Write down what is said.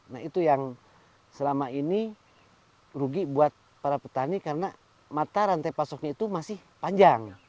nah itu yang selama ini rugi buat para petani karena mata rantai pasoknya itu masih panjang